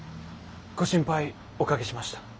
ご心配おかけしました。